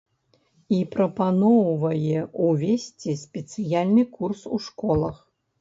І прапаноўвае ўвесці спецыяльны курс у школах.